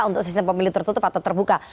untuk sistem pemilu tertutup atau terbuka